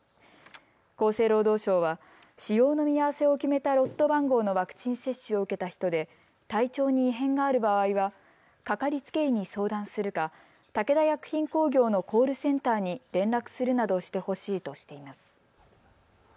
厚生労働省は使用の見合わせを決めたロット番号のワクチン接種を受けた人で体調に異変がある場合はかかりつけ医に相談するか武田薬品工業のコールセンターに連絡するなどしてほしいとしています。